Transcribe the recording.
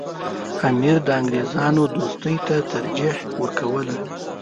امیر د انګریزانو دوستۍ ته ترجیح ورکوله.